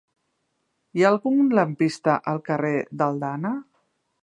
Hi ha algun lampista al carrer d'Aldana?